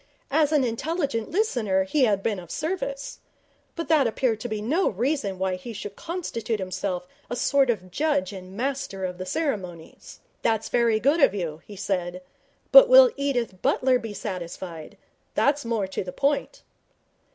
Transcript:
As an intelligent listener he had been of service, but that appeared to be no reason why he should constitute himself a sort of judge and master of the ceremonies. 'That's very good of you,' he said; 'but will Edith Butler be satisfied? That's more to the point.'